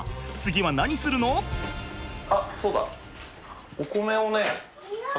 あっそうだ！